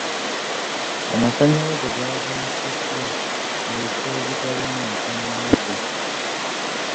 Amasannyalaze gabunyisiddwa mu bifo ebitalina masannyalaze.